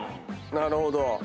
なるほど。